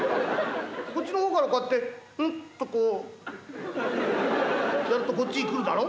こっちの方からこうやってふっとこうやるとこっち来るだろ。